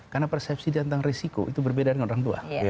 karena persepsi dia tentang risiko itu berbeda dengan orang tua